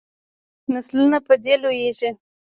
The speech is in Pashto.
نسلونه په دې لویږي.